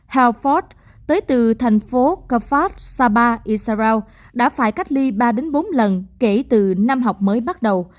helgort tới từ thành phố kfar sabah israel đã phải cách ly ba bốn lần kể từ năm học mới bắt đầu